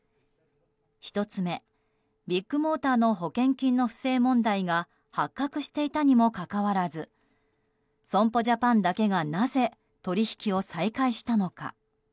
１つ目、ビッグモーターの保険金の不正問題が発覚していたにもかかわらず損保ジャパンだけがなぜ取引を再開したのか。